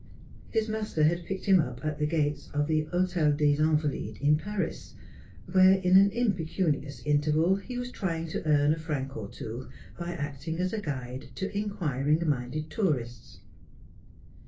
His master had picked him up at the gates of the Hotel des Invalides in Paris, where, in an impecunious in terval, he was trying to earn a franc or two by acting as guide to inquiring minded tourists.